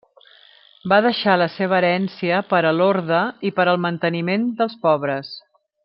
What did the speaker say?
Va deixar la seva herència per a l'orde i per al manteniment dels pobres.